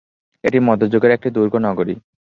এটি মধ্যযুগের একটি দুর্গ নগরী।